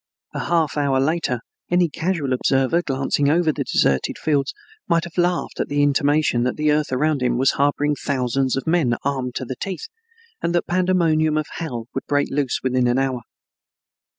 A half hour later any casual observer, glancing over the deserted fields might have laughed at the intimation that the earth around him was harboring thousands of men armed to their teeth, and that pandemonium of hell would break loose within an hour.